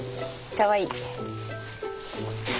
かわいい。